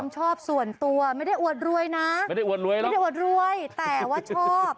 ชอบส่วนตัวไม่ได้อวดรวยนะไม่ได้อวดรวยหรอกไม่ได้อวดรวยแต่ว่าชอบ